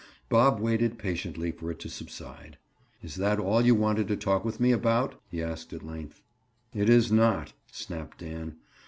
Bob waited patiently for it to subside. "Is that all you wanted to talk with me about?" he asked at length. "It is not," snapped Dan.